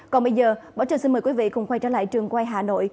còn bây giờ bỏ trời xin mời quý vị cùng quay trở lại trường quay hà nội